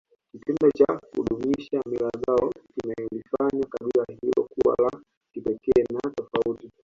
Kitendo cha kudumisha mila zao kimelifanya kabila hilo kuwa la kipekee na tofauti